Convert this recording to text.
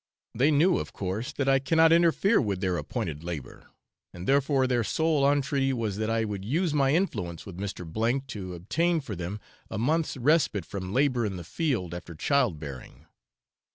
They knew, of course, that I cannot interfere with their appointed labour, and therefore their sole entreaty was that I would use my influence with Mr. to obtain for them a month's respite from labour in the field after child bearing.